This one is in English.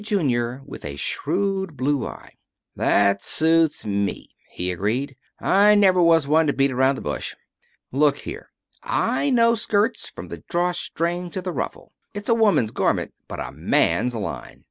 Junior with a shrewd blue eye. "That suits me fine," he agreed. "I never was one to beat around the bush. Look here. I know skirts from the draw string to the ruffle. It's a woman's garment, but a man's line.